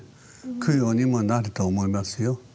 供養にもなると思いますよ。